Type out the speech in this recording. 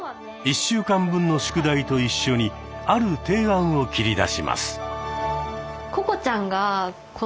１週間分の宿題と一緒にある提案を切り出します。